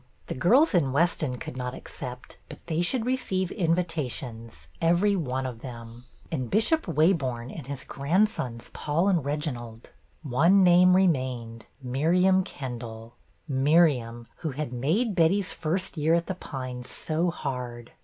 The girls in Weston could not accept, but they should re ceive invitations, every one of them. And Bishop Waborne and his grandsons, Paul and Reginald. One name remained, Miriam Kendall, Miriam, who had made Betty's first year at The Pines so hard.